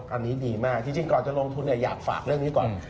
อันนี้ดีมากจริงก่อนจะลงทุนอยากฝากเรื่องนี้ก่อน